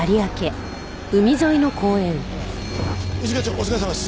一課長お疲れさまです。